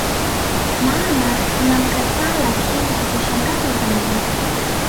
maana tunamkataa Lakini cha kushangaza zaidi